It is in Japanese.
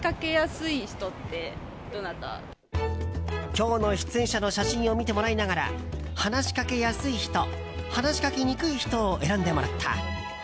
今日の出演者の写真を見てもらいながら話しかけやすい人話しかけにくい人を選んでもらった。